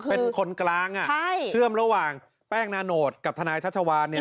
เป็นคนกลางเชื่อมระหว่างแป้งนาโนตกับทนายชัชวานเนี่ย